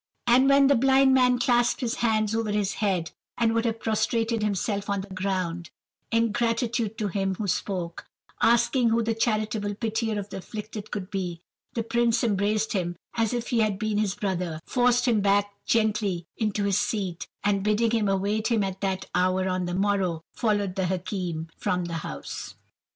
"And when the blind man clasped his hands over his head, and would have prostrated himself on the ground, in gratitude to him who spoke, asking who the charitable pitier of the afflicted could be, the prince embraced him as if he had been his brother, forced him back gently into his seat, and bidding him await him at that hour on the morrow, followed the Hakim from the house.